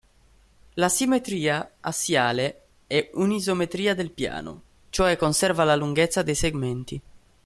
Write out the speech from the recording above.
La simmetria assiale è un"'isometria del piano", cioè conserva la lunghezza dei segmenti.